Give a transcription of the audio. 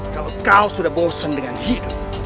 kalau kau sudah bosen dengan hidup